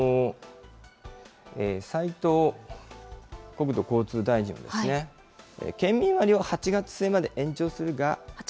斉藤国土交通大臣は、県民割を８月末まで延長するが。